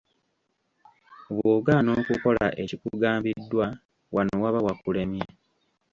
Bw'ogaana okukola ekikugambiddwa wano waba wakulemye.